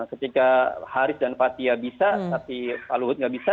ketika haris dan fathia bisa tapi pak luhut nggak bisa